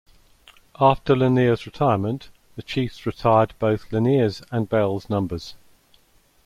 After Lanier's retirement, the Chiefs retired both Lanier's and Bell's numbers.